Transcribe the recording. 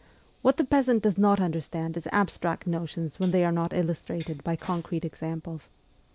What the peasant does not understand is abstract notions when they are not illustrated by concrete examples.